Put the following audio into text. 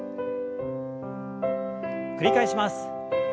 繰り返します。